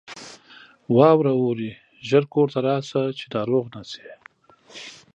واوره اوري ! ژر کورته راسه ، چې ناروغ نه سې.